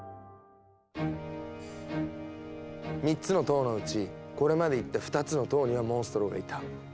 ３つの塔のうちこれまで行った２つの塔にはモンストロがいた。